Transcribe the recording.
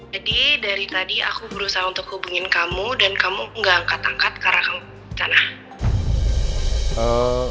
jadi dari tadi aku berusaha untuk hubungin kamu dan kamu gak angkat angkat karena kamu pencana